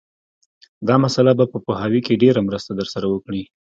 دا مسأله به په پوهاوي کې ډېره مرسته در سره وکړي